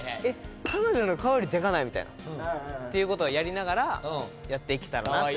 「彼女の顔よりでかない？」みたいな。っていう事をやりながらやっていけたらなって。